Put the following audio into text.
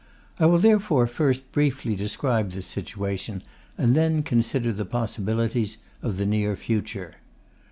I will therefore first briefly describe this situation, and then consider the possibilities of the near future.